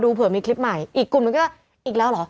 เผื่อมีคลิปใหม่อีกกลุ่มหนึ่งก็อีกแล้วเหรอ